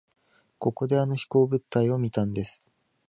ここであの飛行物体を見たんです。